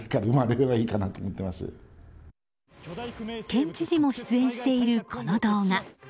県知事も出演しているこの動画。